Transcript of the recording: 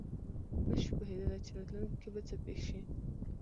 نه شي پوهېدلی چې راتلونکې کې به څه پېښ شي.